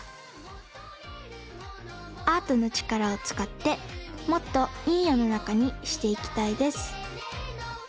アートのちからをつかってもっといいよのなかにしていきたいです。